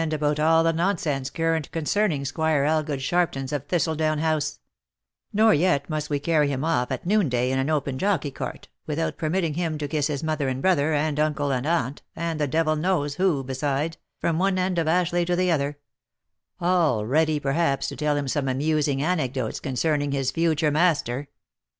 175 about all the nonsense current concerning Squire Elgood Sharpton's, of Thistledown House ; nor yet must we carry him off at noonday in an open jockey cart, without permitting him to kiss mother and bro ther, and uncle and aunt, and the devil knows who beside, from one end of Ashleigh to the other, — all ready perhaps to tell him some amus ing anecdotes concerning his future master."